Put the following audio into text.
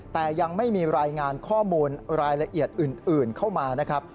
แต่ยังไม่มีรายงานข้อมูลรายละเอียดอื่นเข้ามานะครับ